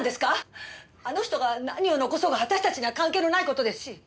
あの人が何を残そうが私たちには関係のない事ですし